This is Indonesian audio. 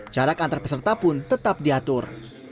jarak antar peserta pun tetap diatur